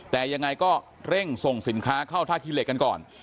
แต่ยังไงก็เร่งส่งสินค้าเข้าท่าขี้เหล็กกันก่อน